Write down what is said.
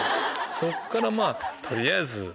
そっから取りあえず。